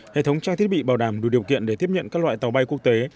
hệ thống trang thiết bị bảo đảm đủ điều kiện để tiếp nhận các loại tàu bay quốc tế